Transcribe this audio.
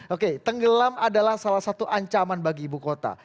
oke tenggelam adalah salah satu ancaman bagi ibu kota